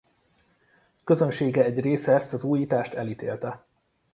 Közönsége egy része ezt az újítást elítélte.